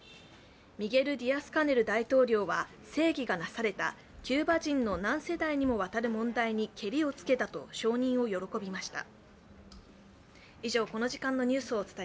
ミゲル・ディアスカネル大統領は正義がなされた、キューバ人の何世代にもわたる問題にけりをつけたと承認を喜びました。